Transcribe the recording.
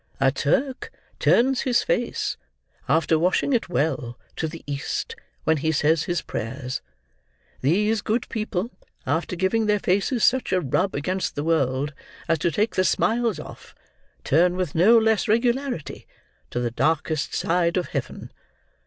"A Turk turns his face, after washing it well, to the East, when he says his prayers; these good people, after giving their faces such a rub against the World as to take the smiles off, turn with no less regularity, to the darkest side of Heaven.